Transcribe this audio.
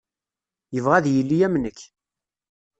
Yebɣa ad yili am nekk.